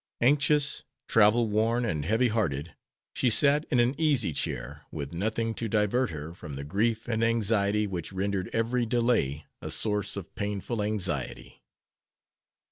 Anxious, travel worn, and heavy hearted, she sat in an easy chair, with nothing to divert her from the grief and anxiety which rendered every delay a source of painful anxiety.